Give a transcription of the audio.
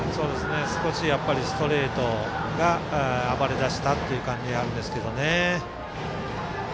少しやっぱりストレートが暴れだしたっていう感じはあるんですけどね。